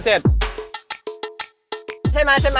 ใช่ไหม